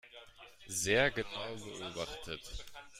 Sehr genau beobachtet.